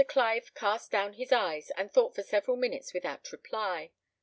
Clive cast down his eyes, and thought for several minutes without reply.